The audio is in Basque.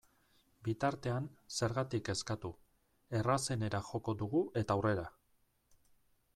Bitartean, zergatik kezkatu, errazenera joko dugu eta aurrera!